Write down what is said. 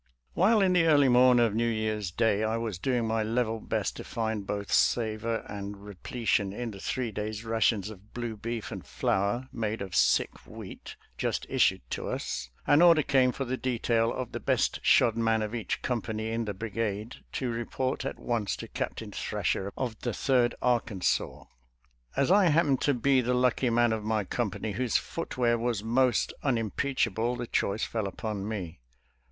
While in the early morn of New Year's Day I was doing my level best to find both savor and repletion in the three days' rations of blue beef and flour made of sick wheat just issued to us, an order came for the detail of the best shod man of each company in the brigade to report at once to Captain Thrasher of the Third Arkan sas. As I happened to be the lucky man of my company whose footwear was most unimpeach able, the choice fell upon me.